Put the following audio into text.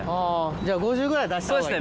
じゃあ５０ぐらい出したほうが？